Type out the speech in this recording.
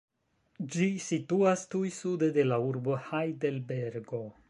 Ĝi situas tuj sude de la urbo Hajdelbergo.